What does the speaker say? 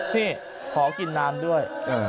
นี่ขอกินน้ำด้วย